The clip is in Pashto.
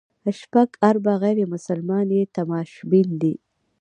شپږ اربه غیر مسلمان یې تماشبین دي.